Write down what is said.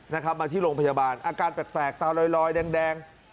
นะครับมาที่โรงพยาบาลอาการแปลกตาลอยแดง